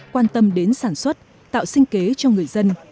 quan tâm đến sản xuất tạo sinh kế cho người dân